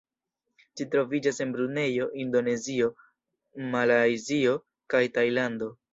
Ĝi troviĝas en Brunejo, Indonezio, Malajzio ka Tajlando.